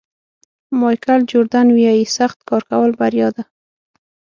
مایکل جوردن وایي سخت کار کول بریا ده.